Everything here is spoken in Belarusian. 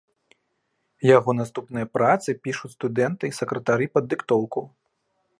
Яго наступныя працы пішуць студэнты і сакратары пад дыктоўку.